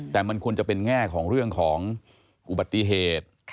แต่มันควรจะเป็นแง่ของเรื่องของอุบัติเหตุ